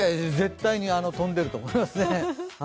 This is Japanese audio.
絶対に飛んでると思いますね。